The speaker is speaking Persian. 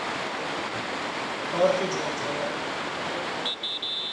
تارک جمجمه